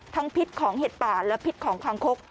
พิษของเห็ดป่าและพิษของคางคก